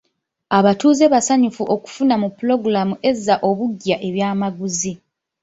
Abatuuze basanyufu okufuna mu pulogulaamu ezza obuggya ebyamaguzi